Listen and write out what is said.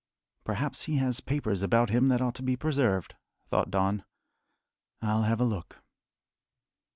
"Perhaps he has papers about him that ought to be preserved," thought Don. "I'll have a look."